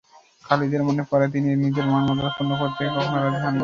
খালিদের মনে পড়ে তিনি নিজের মান-মর্যাদা ক্ষুন্ন করতে কখনো রাজী ছিলেন না।